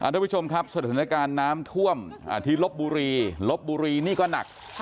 ทุกผู้ชมครับสถานการณ์น้ำท่วมที่ลบบุรีลบบุรีนี่ก็หนัก